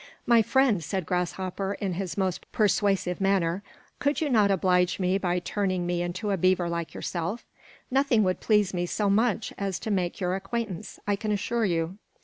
"My friend," said Grasshopper in his most persuasive manner, "could you not oblige me by turning me into a beaver like yourself? Nothing would please me so much as to make your acquaintance, I can assure you."